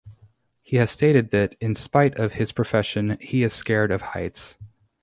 He has stated that in spite of his profession, he is scared of heights.